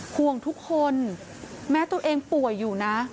ห่วงทุกคนแม้ตัวเองป่วยอยู่นะ